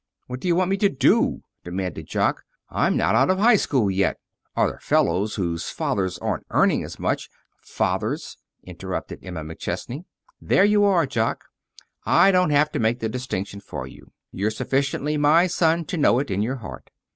"What do you want me to do?" demanded Jock. "I'm not out of high school yet. Other fellows whose fathers aren't earning as much " "Fathers," interrupted Emma McChesney. "There you are. Jock, I don't have to make the distinction for you. You're sufficiently my son to know it, in your heart.